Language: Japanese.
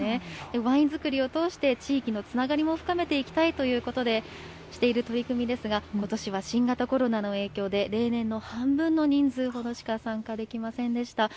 ワイン造りを通して、地域のつながりも深めていきたいということでしている取り組みですが、ことしは新型コロナの影響で、例年の半分の人数ほどしか参加できませんでした。